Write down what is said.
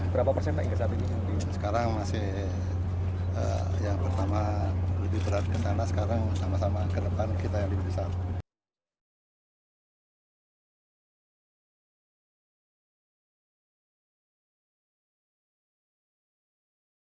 kapal perang ini juga memiliki ketahanan berlayar mencapai dua